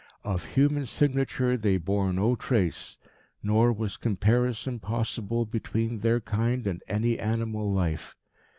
Of human signature they bore no trace, nor was comparison possible between their kind and any animal life.